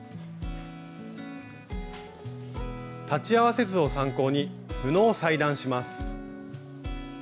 裁ち合わせ図を参考に布を裁断します。